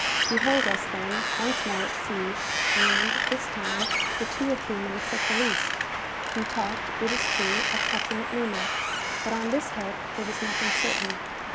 Behold us, then, once more at sea, and, this time, for two or three months at the least. We talked, it is true, of touching at Lima, but on this head there was nothing certain.